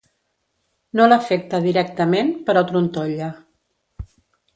No l’afecta directament, però trontolla.